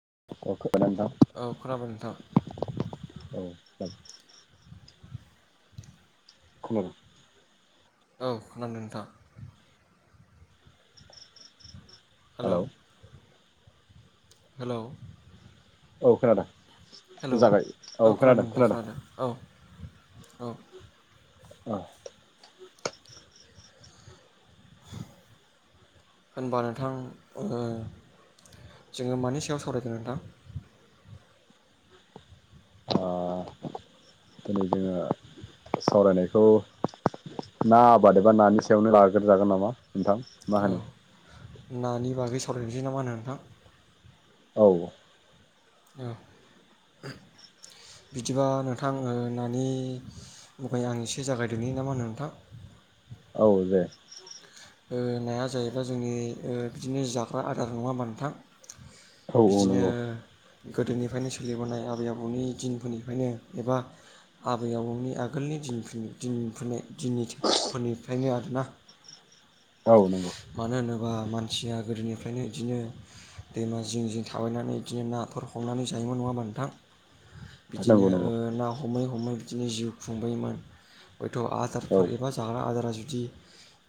[unintelligible] औ खोनाबाय नोंथां। औ। [unintelligible] औ खोनादों नोंथां। हेल'। Hello hello. औ खोनादों। जागाय औ खोनादों खोनादों। औ अ। होनबा नोंथां ओ जोङो मानि सायाव सावरायगोन नोंथां? ओ दिनै जोङो सावरायनायखौ ना आबाद एबा नानि सायावनो लाग्रोजागोन नामा? नोंथां मा औ होनो? नानि बागै सावरायनोसै ना मा होनो नोंथां? औ। उम। बिदिबा नोंथां ओ नानि मुङै आं एसे जागायदोनि नामा नोंथां? [inaudible] औ दे। ओ नाया जाहैबाय जोंनि ओ बिदिनो जाग्रा आदार नङा होनबा नोंथां? औ औ बिदिनो नंगौ गोदोनिफ्रायनो सोलिबोनाय आबै आबौनि दिनफोरनिफ्रायनो एबा आबै आबौनि आगोलनि दिनफुनि दिनफुनाय दिननि फोरनिफ्रायनो आरोना। औ नंगौ। बा मानसिया गोदोनिफ्रायनो बिदिनो दैमा जिं जिं थाबायनानै बिदिनो नाफोर हमनानै जायोमोन नङाबा नोंथां? बिदिनो नंगौ ओ नंगौ ना हमै हमै बिदिनो जिउ खुंबोयोमोन। हयथ' औ आदारफोर एबा जाग्रा आदारा जुदि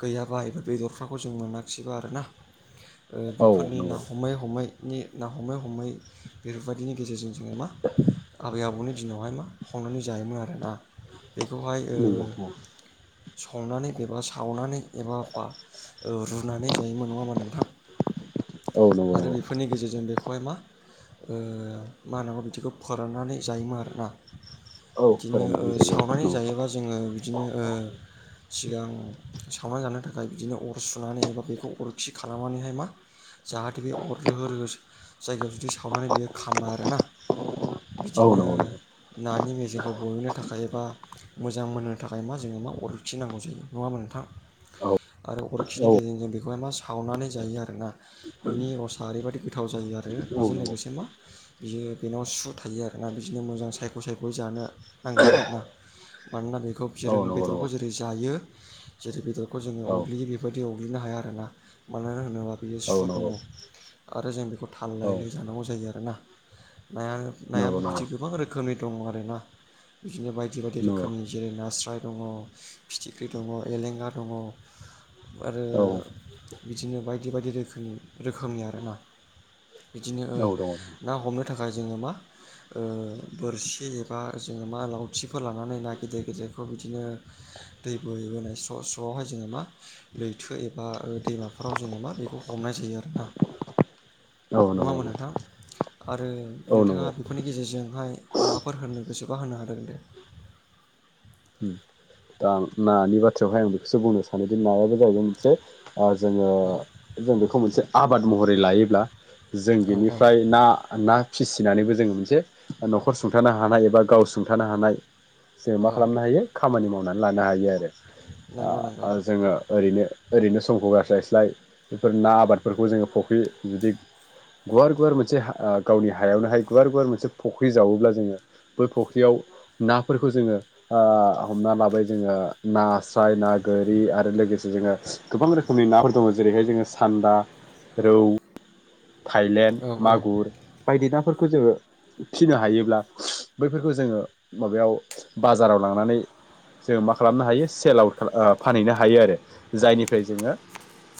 गैया बा एबा बेदरफ्रा हजम मोनाखिसैबा आरो ना ओ औ बेफोरनि ना नंगौ नंगौ हमै हमै नि ना हमै हमै बेफोरबायदिनि गेजेरजों जोङो मा आबै आबौनि दिनावहाय मा हमनानै जायोमोन आरोना बेखौहाय ओ औ संनानै एबा सावनानै एबा बा रुनानै जायोमोन नङा होनबा नोंथां? नंगौ आरो नंगौ बेफोरनि गेजेरजों बेखौहाय मा ओ मा होननांगौ बिदिखौ फोराननानै जायोमोन आरोना। औ बिदिनो ओ फोराननानै जायो सावनानै औ जायोबा जोङो बिदिनो ओ सिगां सावना जानो थाखाय बिदिनो अर सुनानै एबा बेखौ अरखि खालामनानैहाय मा जाहाथे बे अर रोहो रोहो सो जायगायाव जुदि सावनानै बेयो खामा आरोना औ बिदिनो नंगौ नंगौ नानि मेजेम खौ गहोनो थाखाय एबा मोजां मोननो थाखाय मा जोंनो मा अरखि नांगौ जायो नङा होमबा नोंथां? औ आरो औ अरखिनि गेजेरजों बेखौहाय मा सावनानै जायो आरोना बिनि रसा ओरैबाइदि गोद जायो आरो बेजों नंगौ लोगोसे मा बियो बेनाव सु थायो आरो ना बिदिनो मोजां सायख' सायख'यै जानो नांगोन आरो ना। मानोना बेखौ औ [unintelligible] नंगौ नंगौ बेदरखौ औ नंगौ औ जेरै- जायो जेरै- बेदर खौ जोङो अग्लियो बेफोरबायदि अग्लिनो हाया आरोना मानो होनोब्ला बेयो सु नंगौ नंगौ दङ' आरो जों बेखौ थाल लायै लायै जानांगौ जायो आरोना नाया नायाबो बिदि गोबां रोखोमनि दं आरोना बिदिनो बायदि बायदि नंगौ रोखोमनि जेरै- नास्राय दङ फिथिख्रि दङ एलेंगा दङ' आरो औ दङ बिदिनो बायदि बायदि रोखोमनि रोखोमनि आरोना बिदिनो ओ औ ना हमनो थाखाय जोङो मा ओ बोरसि एबा जोङो मा लावथिफोर लानानै ना गिदिर गिदिर खौ बिदिनो दै बोहैबोनाय स्र' स्र' आवहाय जोङो मा लैथो एबा ओ दैमाफोराव जोङो मा बेखौ हमनाय जायो आरो ना। नंगौ नङा होनबा नंगौ नोंथां? आरो औ नोंथाङा नंगौ बेफोरनि गेजेरजोंहाय माबाफोर होननो गोसोबा होननो हागोन दे। ओम आं नानि बाथ्रायावहाय आं बेखौसो बुंनो सानोदि नायाबो जाहैदों मोनसे ओ जोङो जों बेखौ मोनसे आबाद महरै लायोब्ला जों औ औ बिनिफ्राय ना ना फिसिनानैबो जोङो मोनसे न'खर सुंथानो हानाय एबा गाव सुंथानो हानाय जों मा औ खालामनो हायो खामानि मावनानै लानो हायो आरो नंगौ नंगौ ओ जोङो ओरैनो ओरैनो समखौ गारस्लायस्लाय बेफोर ना आबादफोरखौ जोङो फख्रि [unintelligible] गुवार गुवार मोनसे हा ओ गावनि हायावनोहाय गुवार गुवार मोनसे फुख्रि जावोब्ला जोङो बै फुख्रियाव नाफोरखौ जोङो ओ हमना लाबाय जोङो नास्राय ना गोरि आरो लोगोसे जोङो गोबां रोखोमनि नाफोर दङ जेरैहाय जोङो सा न्दा रौ औ थाइलेण्ड औ मागुर बायदि नाफोर खौ जोङो फिनो हायोब्ला बैफोरखौ जोङो माबायाव बाजाराव लांनानै जों मा खालामनो हायो सेल आउट ओ फानहैनो हायो आरो जायनिफ्राय जोङो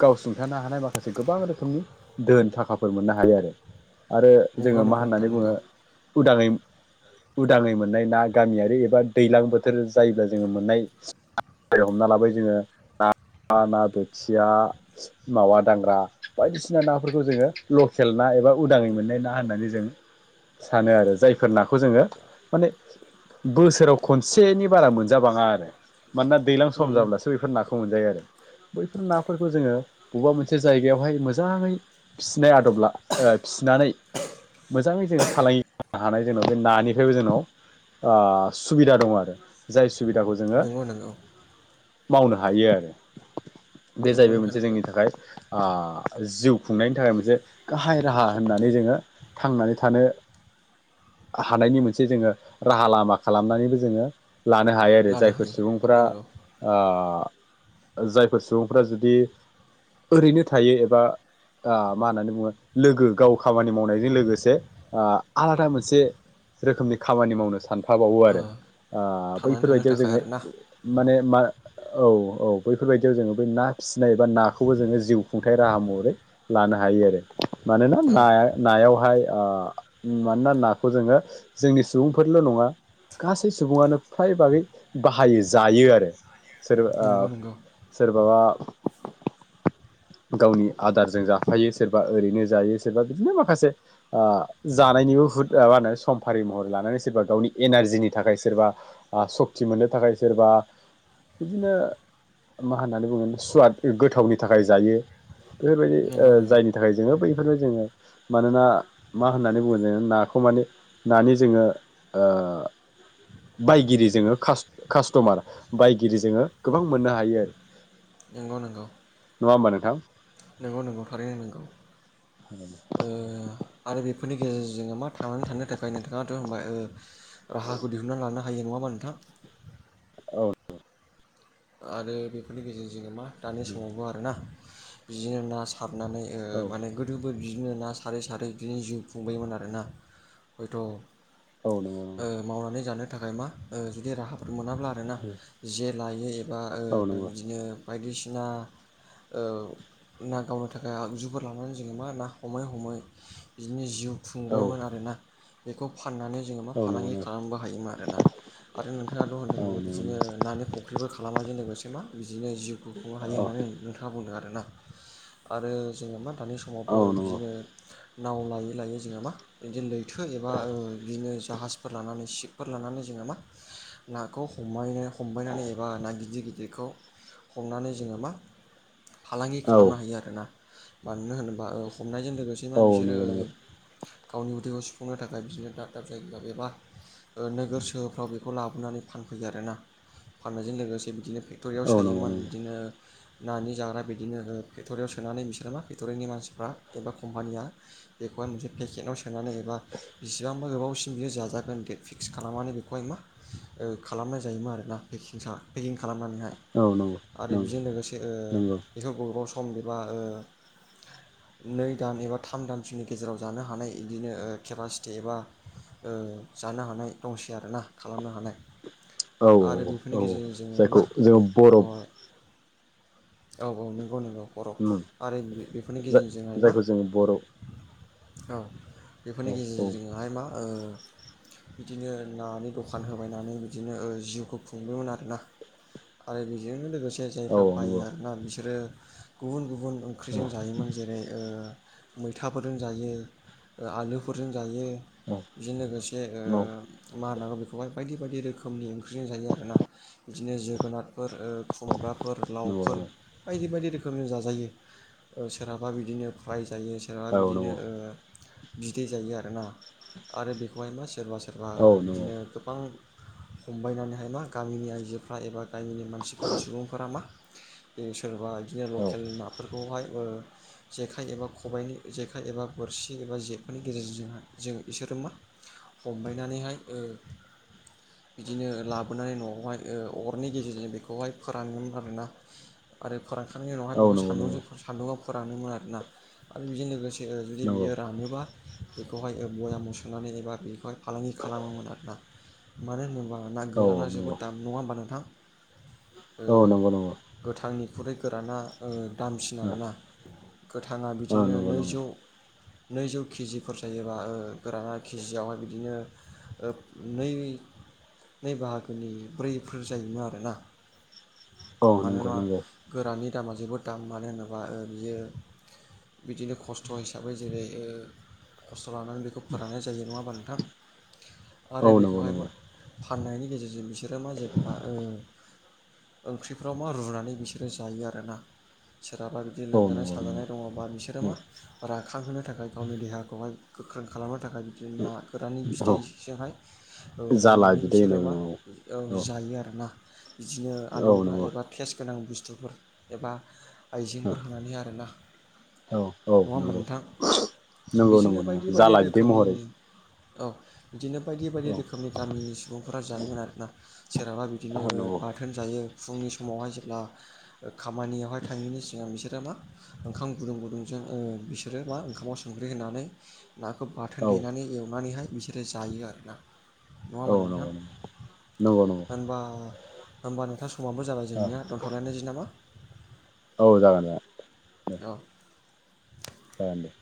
गावसुंथानो हानाय माखासे गोबां रोखोमनि दोन थाखाफोर मोननो हायो आरो। आरो नंगौ जोङो मा नंगौ नोंथां होननानै बुङो नंगौ उदाङै उदाङै मोननाय ना गामियारि एबा दैलां बोथोर जायोबा [unintelligible] हमना लाबाय जोङो ना [unintelligible] ना बोथिया मावा दांग्रा बायदिसिना नाफोरखौ जोङो लकेल ना एबा उदाङै मोननाय ना होननानै जों सानो आरो जायफोर नाखौ जोङो माने बोसोराव खनसेनि बारा मोन जाबाङा आरो मानोना दैज्लां उम सम उम जाब्लासो बेफोर नाखौ मोनजायो आरो बैफोर नाफोरखौ जोङो बबेबा मोनसे जायगायावहाय मोजाङै फिसिनाय आदब ला ओ फिनानै मोजाङै जोङो फालांगि हानाय जोंनाव बे नानिफ्रायबो जोंनाव ओ सुबिदा दं आरो जाय सुबिदाखौ जोङो नंगौ नंगौ मावनो हायो आरो बे नोंगौ जाहैबाय नोंथां मोनसे नोंगौ जोंनि थाखाय ओ जिउ खुंनायनि थाखाय मोनसे गाहाय राहा होननानै जोङो थांनानै थानो [unintelligible] हानायनि मोनसे जोङो राहा लामा खालामनानैबो जोङो लानो हायो आरो लानो जायफोर हायो सुबुंफोरा नोंगौ ओ जायफोर सुबुंफोरा जुदि ओरैनो थायो एबा मा होननानै बुङो लोगो गाव खामानि मावनायजों लोगोसे आलादा मोनसे रोखोमनि खामानि मावनो सानफाबावो ओ आरो थांनानै थानो बैफोरबायदियाव थाखाय जोङो आरोना माने मा औ औ बैफोरबायदियाव जोङो ब ना फिसिनाय बा नाखौबो जोङो जिउ खुंथाय राहा महरै ला ल हायो आरो मानोना औ ना नायावहाय मानोना नाखौ जोङो जोंनि सुबुंफोरल' नङा गासै सुबुङानो फ्राय बागै बाहायो जायो आरो सोरबा ओ नोंगौ नोंगौ सोरबा [unintelligible] गावनि आदारजों जाफायो सोरबा ओरैनो जायो सोरबा बिदिनो माखासे ओ जानायनि बुहुद मा होनो सम्फारि महरै लानानै सोरबा गावनि एनारजिनि थाखाय सोरबा सक्ति मोननो थाखाय सोरबा बिदिनो मा होननानै बुङो सुवाद गोथावनि थाखाय जायो बेफोरबायदि ओ नोंगौ नोंगौ जायनि थाखाय जोङो बै बेफोरो जोङो मानोना मा होननानै बुङो जों नाखौ माने नानि जोङो ओ [unintelligible] बाय िरि जोङो खास कास्टमार बायगिरि जोङो गोबां मोननो हायो आरो नंगौ नंगौ नङा हमबानोंथां नंगौ नंगौ थारैनो नोंगौ ओ आरो बे बेफोरनि गेजेरजों मा थांनानै थानो थाखाय नोंथाङाथ ओ होनबा राहाखौ दिहुनना लानो हायो नङाबा नोंथां औ दे आरो बेफोरनि गेजेरजोंोङो मा दानि समावबो आरोना बिदिनो ना हाबनानै ओ औ माने गोदोबोद बिदिनो ना सारै सारै बिदिनो जिउ खुंबायोमोन आरोना हयथ' ओ औ नंगौ नंगौ मावनानै जानो थाखाय मा ओ जुदि राहाफोर मोनाब्ला आरोना जे लायो एबा ओ औ नंगौ बिदिनो बायदिसिना ओ ना गावनो थाखाय आगजुफोर लानानै जोङो मा ना हमै हमै बिदिनो जिउ औ खुंबायमोन आरो ना बेखौ फाननानै जोङो मा नंगौ फालांगि नंगौ औ नंगौ औ नंगौ औ नंगौ औ नंगौ औ नंगौ खालामबो हायोमोन आरोना आरो नोंथाङा द होनदोंङो बिदिनो नानि फुख्रिबो मुवाजों लोगोसे मा बिदिनो जिउखौ खुंनो हायो होननानै नोंथाङा बुंदों आरोना आरो जों मा थानाय समावबो बिदिनो नाव लायै लायै जोंहा मा बिदि लैथो एबा ओ बिदिनो जाहाजफोर लानानै सि फोर लानानै जोङो मा नाखौ हमबानो हमबायनानै ए ना गिदिर गिदिरखौ हमनानै जोङो मा फालांगि खालामनो हायो आर ना मानो होनोबा ओ हमनायजों लोगोसे मा बिसोरो ओ गावनि उथैखौ सुफुंनो थाखाय बिदिनो दाब दाब जायगायावायाव एबा ओ नोगोर सोहोरफ्राव बेखौ लाबोनानै फान फैयो आरोना फाननायजों लोगोसे बिदिनो फेक्टरियाव सोयोमोन बिदिनो नानि जाग्रा बिदिनो ओ फेक्ट'रियाव सोनानै बिसोर मा फेक्ट'रिनि मानसिफ्रा एबा कम्पानिया बे बा मोनसे पेकेटाव सोनानै एबा बिसिबांबा गोबाव इयो जाजागोन दे फिक्स खालामनानै बिखौलाय मा ओ खालामनाय जायोमोन आरो ना। [unintelligible] पेकिंग खालामनानैहाय आरो नंगौ बेजों लोगोसे ओ नंगौ बेखौ गोबाव स सम एबा ओ नै दान एबा थाम दानसोनि गेजेराव जानो हानाय इदिनो केपासिटि एबा ओ जानो हानाय दंसै आरो ना खालामनो हानाय। औ औ आरो बेफोरनि औ गेजेरजों जोङो मा जायखौ जोङो बर'फ बेखौहाय औ औ नंगौ नंगौ बरफ उम आरो बेफोरनि जा गेजेरजोंजोंहाय मा जायखौ जोङो बर' औ औ बेफोरनि औ गेजेरजोंजोंहाय मा ओ बिदिनो नानि दखान होबायनानै बिदिनो ओ जिउखौ खुंदोंमोन आरोना। आरो बेजोंनो लोगोसे जायफ्रा औ बायो नंगौ आरोना बिसोरो गुबुन गुबुन औ ओंख्रिजों जायोमोन जेरै ओ मैथाफोरजों जायो। ओ आलुफोरजों जायो। औ बेजों लोगोसे ओ नंगौ मा होनांगौ बेखौहाय बायदि बायदि रोखोमनि ओं इदिनो जोगोनारफोर ओ खुमब्राफोर लावफोर नंगौ बायदि बायदि रोख खोमनि जाजायो ओ सोरहाबा बिदिनो फराय जायो सोरहाबा औ बिदिनो नंगौ ओ बिदै जायो आरोना। आरो बेखौहाय मा सोरबा सोरबा औ नंगौ बिदिनो गोबां हमबायनानैहाय मा गामिनि आइजोफ्रा एबा गामिनि मानसिफ्रा सुबुंफोरा मा बे सोरबा इदिनो औ लकेल नाफोरखौहाय ओ जेखाइ एबा खबाइनि जेखाइ एबा बोरसि एबा जेखायनि गेजेरजोंहाय जों बिसोरो मा हमबायनानैहाय ओ बिदिनो लाब न'आवहाय ओ अरनि गेजेरजों बेखौहाय फोरानोमोन आरोना। आरो फोरानखांनायनि उनावहाय बेखौ नंगौ नंगौ सान्दुंजों सान्दुंआव फोराननोमोन आरोना। आरो बेजों लोगोस जोङो जुदि औ नंगौ बियो रानोबा बेखौहाय ओ बयामआव सोनानै एबा बे फार फालांगि खालामोमोन आरोना। मानो होनोबा ना गोराना जोबोद दाम नङा होमबा नोंथां? ओ औ नंगौ औ नंगौ नंगौ औ गोथांनिख्रुइ गोराना ओ दामसिन आरोना गोथाङा बिदिनो नंगौ नैजौ नैजौ केजिफोर जायोबा ओ गोराना केजियावहाय बिदिनो ओ नै नै बाहागोनि ब्रैफोर जायोमोन आरोना औ नंगौ मानोना नंगौ गोरानि दामा जोबोद दाम मानो होनोबा ओ बियो बिदिनो खस्थ' हिसाबै जेरै ओ [unintelligible] थ' लानानै बेखौ फोराननाय जायो नङा होमबा नोंथां? आरो औ बेखौहाय मा फाननायनि गेजेरजों बिसोरो मा जेब्ला ओ ओंख्रिफ्राव मा रुनानै बिसोरो जायो आरोना। सोरहाबा जुदि लोमजानाय नंगौ नंगौ साजानाय दङबा बिसोरो मा राखांहोनो थाखाय गावनि देहाखौहाय गोख्रों खालामनो थाखाय बिदिनो ना गोराननि औ बिदैजोंहाय ओ जाला रुनानै बि बिदै सोरो होननाय मा औ बुङो जायो आरोना। बिदिनो औ आलु नंगौ होफायोबा थेस गोनां बुस्थुफोर एबा आइजेंफोर हानानै आरोना। औ औ होमबा नंगौ नोंथां नंगौ नंगौ बेजोंनो नंगौ बायदि बायदि जाला बिदै रोखोमनि महरै। औ बिदिनो बायदि बायदि औ रोखोमनि गामिनि सु बुंफोरा जायोमोन आरोना। सोरहाबा बिदिनो ओ नंगौ बाथोन जायो। फुंनि समावहाय जेब्ला ओ खामानियावहाय थाङिनि सिगां बिसोर रो मा ओंखाम गुदुं गुदुंजों ओ बिसोरो मा ओंखामाव संख्रि होनानै नाखौ बाथोन औ देनानै एवनानैहाय बिसोरो जायो आरो ना। नङा होमबा औ नों थां नंगौ नंगौ नंगौ नंगौ होनबा होमबा नोंथां समाबो जाबाय जोंनिया दोनथ'लायनोसै नामा? औ जागोन दे औ जागोन दे